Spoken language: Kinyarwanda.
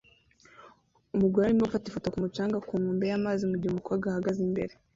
Umugore arimo gufata ifoto ku mucanga ku nkombe y'amazi mugihe umukobwa ahagaze imbere